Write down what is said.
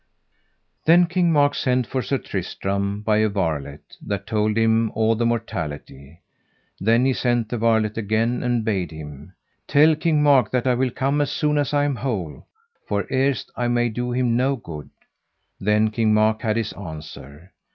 Then King Mark sent for Sir Tristram by a varlet, that told him all the mortality. Then he sent the varlet again, and bade him: Tell King Mark that I will come as soon as I am whole, for erst I may do him no good. Then King Mark had his answer.